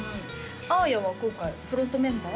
あーやは今回フロントメンバー？